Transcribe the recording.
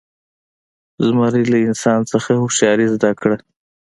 زمري له انسان څخه هوښیاري زده کړه.